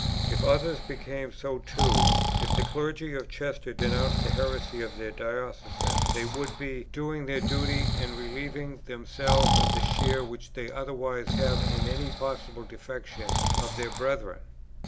If others became so too, if the clergy of Chester denounced the heresy of their diocesan, they would be doing their duty, and relieving themselves of the share which they otherwise have in any possible defection of their brethren.